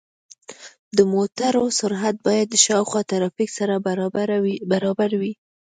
د موټرو سرعت باید د شاوخوا ترافیک سره برابر وي.